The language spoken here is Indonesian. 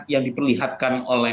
yang diperlihatkan oleh